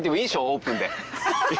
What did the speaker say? オープンで。